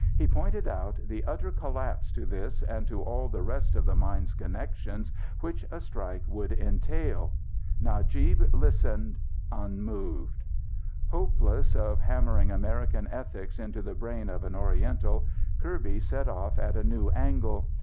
He pointed out the utter collapse to this and to all the rest of the mine's connections which a strike would entail. Najib listened unmoved. Hopeless of hammering American ethics into the brain of an Oriental, Kirby set off at a new angle.